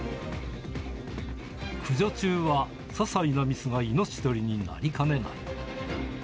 駆除中は、些細なミスが命取りになりかねない。